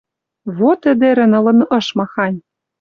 Вот ӹдӹрӹн ылын ыш махань!